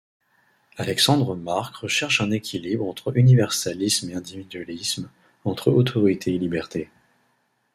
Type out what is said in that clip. Alexandre Marc recherche un équilibre entre universalisme et individualisme, entre autorité et liberté.